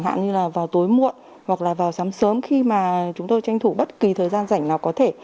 hoặc là vào sáng sớm khi mà chúng tôi tranh thủ bất kỳ thời gian rảnh nào có thể